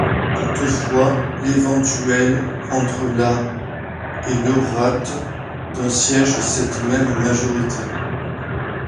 Toutefois, l'éventuelle entre la et le rate d'un siège cette même majorité.